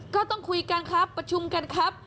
ก็ต้องคุยกันครับประชุมกันครับ